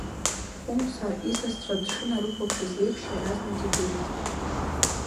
Хәымса исасцәа дшынрыхәаԥшыз еиԥш, иаразнак идырит.